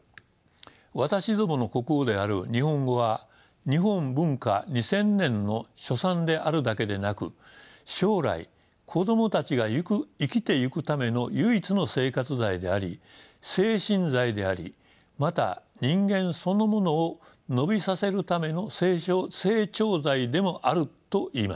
私どもの国語である日本語は日本文化２，０００年の所産であるだけでなく将来子供たちが生きてゆくための唯一の生活材であり精神材でありまた人間そのものを伸びさせるための成長材でもあるといいます。